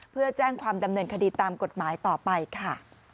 เพื่อแจ้งความดำเนินคดีตามกฎหมายต่อไปค่ะ